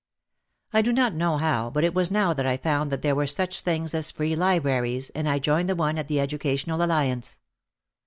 I do not know how but it was now that I found that there were such things as free libraries and I joined the one at the Educational Alliance.